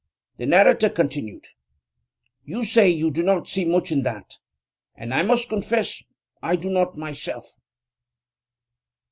The narrator continued: 'You say you do not see much in that, and I must confess I do not myself.